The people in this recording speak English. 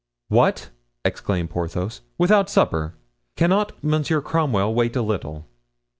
"What!" exclaimed Porthos "without supper? Cannot Monsieur Cromwell wait a little?"